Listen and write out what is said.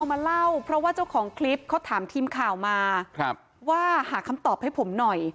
มาเล่าเพราะว่าเจ้าของคลิปเขาถามทีมข่าวมาว่าหาคำตอบให้ผมหน่อย